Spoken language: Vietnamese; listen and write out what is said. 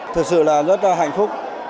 thật sự là rất là hạnh phúc